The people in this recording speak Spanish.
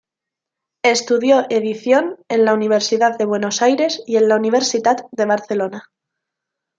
Estudió Edición en la Universidad de Buenos Aires y en la Universitat de Barcelona.